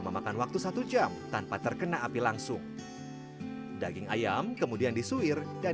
memakan waktu satu jam tanpa terkena api langsung daging ayam kemudian disuir dan